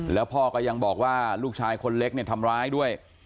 แล้วพ่อก็ยังบอกว่าลูกชายคนเล็กเนี่ยทำร้ายด้วย